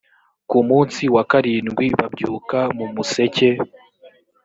ku munsi wa karindwi babyuka mu museke.